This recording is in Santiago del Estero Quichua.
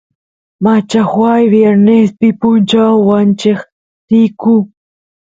machajuay viernespi punchaw wancheq riyku